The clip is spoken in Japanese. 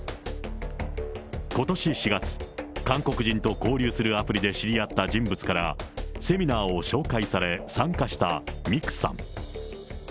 ことし４月、韓国人と交流するアプリで知り合った人物から、セミナーを紹介され、参加したミクさん。